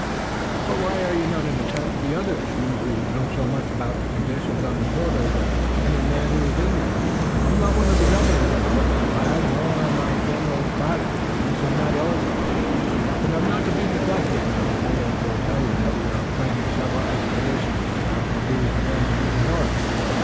"But why are you not in the tent with the others, you who know so much more about conditions on the border than any man who is in there?" "I am not one of the governors, Robert, my lad, nor am I General Braddock. Hence I'm not eligible, but I'm not to be neglected. I may as well tell you that we are planning several expeditions, and that I'm to lead one in the north."